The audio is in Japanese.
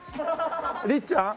りっちゃん？